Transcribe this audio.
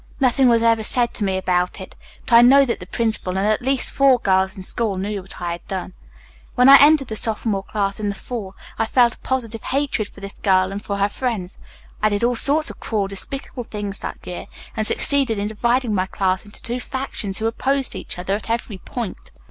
Nothing was ever said to me about it, but I knew that the principal and at least four girls in school knew what I had done. When I entered the sophomore class in the fall I felt a positive hatred for this girl and for her friends. I did all sorts of cruel, despicable things that year, and succeeded in dividing my class into two factions who opposed each other at every point.